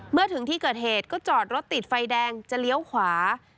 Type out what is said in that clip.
เมื่อถึงที่เกิดเหตุก็จอดรถติดไฟแดงจะเลี้ยวขวา